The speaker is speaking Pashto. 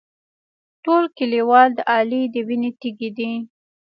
ټول کلیوال د علي د وینې تږي دي.